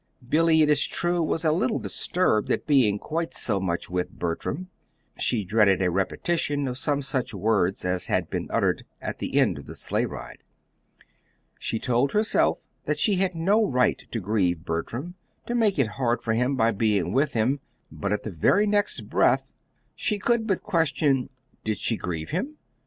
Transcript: Billy, it is true, was a little disturbed at being quite so much with Bertram. She dreaded a repetition of some such words as had been uttered at the end of the sleigh ride. She told herself that she had no right to grieve Bertram, to make it hard for him by being with him; but at the very next breath, she could but question; did she grieve him?